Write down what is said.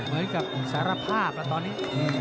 เหมือนกับสารภาพแล้วตอนนี้